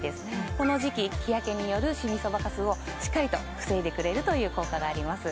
この時期日焼けによるシミ・そばかすをしっかりと防いでくれるという効果があります